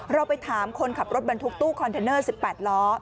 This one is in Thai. เราไปถามคนขับรถบรรทุกตู้คอนเทนเนอร์๑๘ล้อ